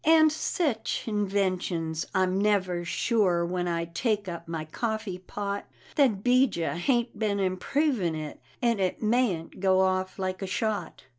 And sech inventions! I'm never sure when I take up my coffee pot, That 'Bijah hain't been "improvin'" it, and it mayn't go off like a shot.